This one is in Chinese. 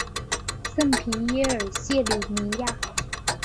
圣皮耶尔谢里尼亚。